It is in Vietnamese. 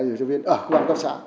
ở công an cấp xã